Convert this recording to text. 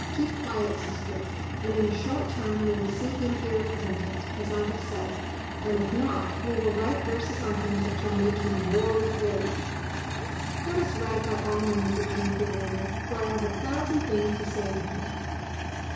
Keep quiet, sister, and in a short time you will see him here repentant, as I have said; and if not, we will write verses on him that shall make him roar with rage." "Let us write by all means," returned Juliana, "for I have a thousand things to say to him."